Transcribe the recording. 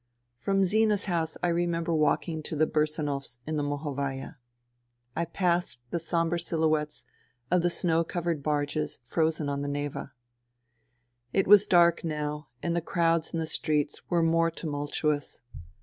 From Zina's house I remember walking to the Bursanovs in the Mohovaya. I passed the sombre silhouettes of the snow covered barges frozen on the Neva. It was dark now and the crowds in the streets were more tumultuous.